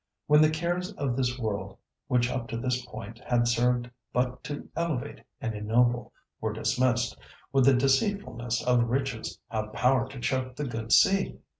"When the cares of this world—which up to this point had served but to elevate and ennoble—were dismissed, would 'the deceitfulness of riches' have power to choke the good seed?